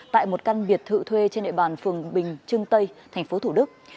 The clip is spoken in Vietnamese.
tại một căn biệt thự thuê trên nệm bàn phường bình trưng tây tp thủ đức